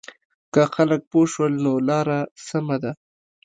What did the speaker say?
که خلک پوه شول نو لاره سمه ده.